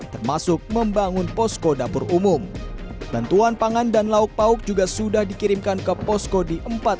di bangun posko dapur umum tentuan pangan dan lauk lauk juga sudah dikirimkan ke posko di empat